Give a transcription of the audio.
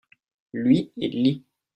lui, il lit.